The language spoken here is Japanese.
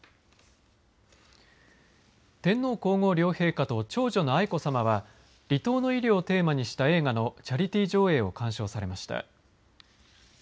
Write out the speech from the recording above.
天皇皇后両陛下と長女の愛子さまは離島の医療をテーマにした映画のチャリティー上映を鑑賞されました。